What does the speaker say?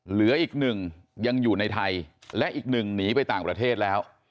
เหลืออีกหนึ่งยังอยู่ในไทยและอีกหนึ่งหนีไปต่างประเทศแล้ว